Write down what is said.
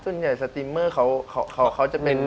ส่วนใหญ่สตรีมเมอร์เขาจะเป็น